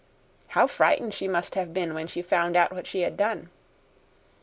How frightened she must have been when she found out what she had done.